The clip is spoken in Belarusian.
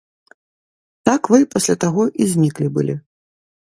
Так вы пасля таго і зніклі былі.